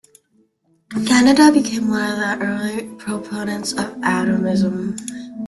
Kanada became one of the early proponents of atomism.